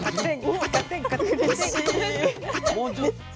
もうちょっと。